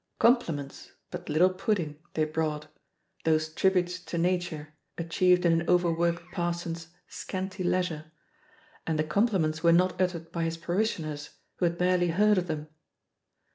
Compliments^ but little pudding, they brought — ^those tributes to Nature, achieved in an overworked parson's scanty leisure; and the compliments were not uttered by his parishioners, who had barely heard of them.